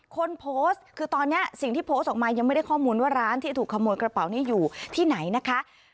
คนโพสต์คือตอนนี้สิ่งที่โพสต์ออกมายังไม่ได้ข้อมูลว่าร้านที่ถูกขโมยกระเป๋านี้อยู่ที่ไหนนะคะ